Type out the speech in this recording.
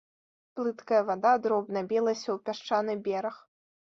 Плыткая вада дробна білася ў пясчаны бераг.